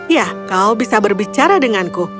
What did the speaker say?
ya kau bisa berbicara denganku